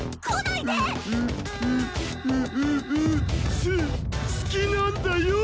す好きなんだよぉ。